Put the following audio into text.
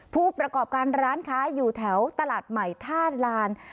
ผู้ประกอบการร้านค้าอยู่แถวตลาดใหม่ธาตุลาน